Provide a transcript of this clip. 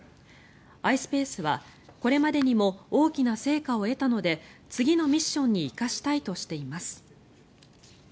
ｉｓｐａｃｅは、これまでにも大きな成果を得たので次のミッションに生かしたいとしています。